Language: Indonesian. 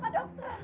kamu dari mana